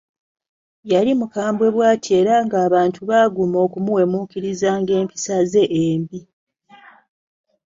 Yali mukambwe bw'atyo era abantu baaguma okumuwemuukirizanga empisa ze embi.